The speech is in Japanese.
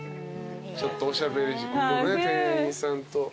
ちょっとおしゃべり店員さんと。